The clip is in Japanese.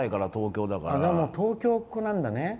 東京っ子なんだね。